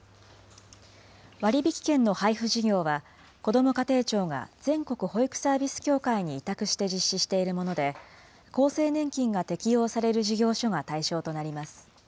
割引券の配付事業は、こども家庭庁が全国保育サービス協会に委託して実施しているもので、厚生年金が適用される事業所が対象となります。